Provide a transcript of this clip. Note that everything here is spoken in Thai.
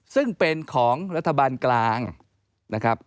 ซึ่งเป็นของรัฐบาลกลางนะครับ